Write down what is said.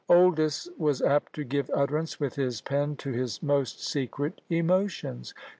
Oldys was apt to give utterance with his pen to his most secret emotions.